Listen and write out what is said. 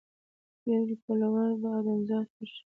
پېر پلور د ادم ذات وشي